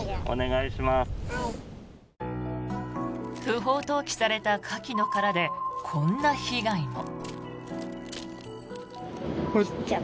不法投棄されたカキの殻でこんな被害も。